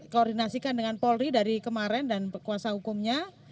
koordinasikan dengan polri dari kemarin dan kuasa hukumnya